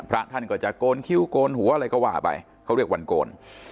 พระท่านก็จะโกนคิ้วโกนหัวอะไรก็ว่าไปเขาเรียกวันโกน